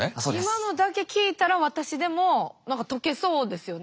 今のだけ聞いたら私でも何か解けそうですよね。